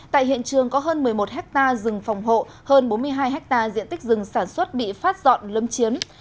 tại hiện trường có hơn một mươi một ha rừng phòng hộ hơn bốn mươi hai ha diện tích rừng sản xuất bị phát dọn lấn chiếm